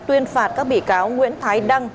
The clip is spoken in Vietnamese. tuyên phạt các bị cáo nguyễn thái đăng